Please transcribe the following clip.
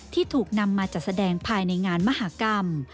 ที่ถูกนำมาจัดแสดงภายในงานมหากรรม